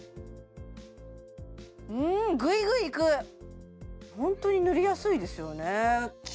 うーんグイグイいくホントに塗りやすいですよね